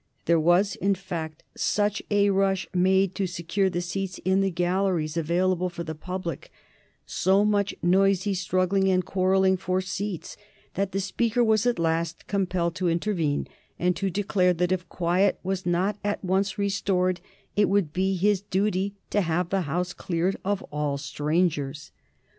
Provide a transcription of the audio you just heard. There was, in fact, such a rush made to secure the seats in the galleries available for the public, so much noisy struggling and quarrelling for seats, that the Speaker was at last compelled to intervene and to declare that if quiet was not at once restored it would be his duty to have the House cleared of all strangers.